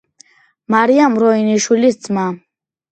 მარიამ როინიშვილის ძმა.